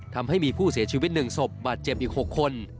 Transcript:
ทำให้มีผู้เสียชีวิต๑ศพบาดเจ็บอีก๖คน